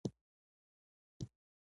ډيپلومات د سولې پیغام خپروي.